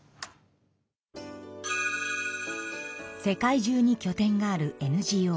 世界中にきょ点があるＮＧＯ